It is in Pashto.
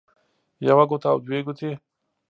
يوه ګوته او دوه ګوتې